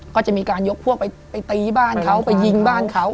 ก็จะมีการยกพวกไปตีบ้านเขาไปยิงบ้านเขา